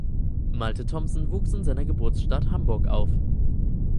Malte Thomsen wuchs in seiner Geburtsstadt Hamburg auf.